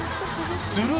すると